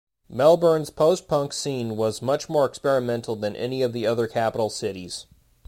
Melbourne's post-punk scene was much more experimental than any of the other capital cities.